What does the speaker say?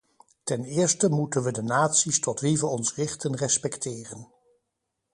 Ten eerste moeten we de naties tot wie we ons richten respecteren.